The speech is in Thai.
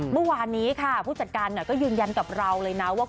เมื่อวานนี้ค่ะผู้จัดการก็ยืนยันกับเราเลยนะว่า